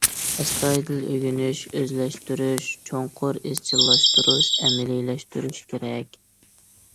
ئەستايىدىل ئۆگىنىش، ئۆزلەشتۈرۈش، چوڭقۇر ئىزچىللاشتۇرۇش، ئەمەلىيلەشتۈرۈش كېرەك.